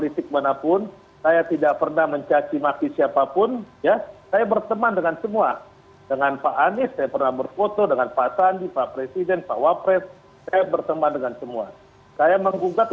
saya mengatakan bahwa saya menggugat